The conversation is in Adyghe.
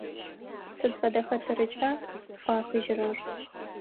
Сыд фэдэ хэтэрыкӏа ӏуахыжьырэр?